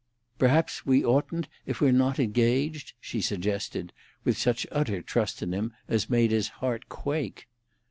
"Perhaps we oughtn't, if we're not engaged?" she suggested, with such utter trust in him as made his heart quake.